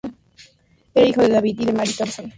Era hijo de David y de Mary Thomson.